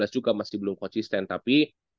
sebelas dua belas juga masih belum konsisten tapi